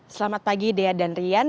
selamat pagi dea dan rian